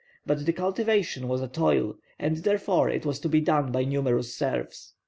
But the cultivation was a toil, and therefore it was to be done by numerous serfs.